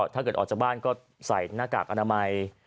ถ้าเกิดออกจากบ้านก็ใส่หน้ากากอนามัย